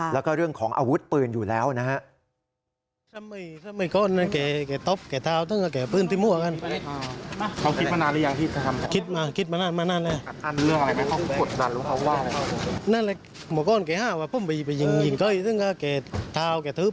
แล้วก็เรื่องของอาวุธปืนอยู่แล้วนะฮะ